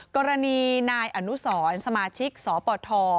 กรณีนายอนุสรสมาชิกสปท